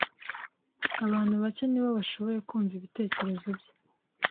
Abantu bake ni bo bashoboye kumva ibitekerezo bye.